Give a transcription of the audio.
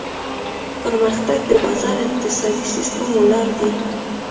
پرمختګ د بازار اقتصادي سیستم ولاړ دی.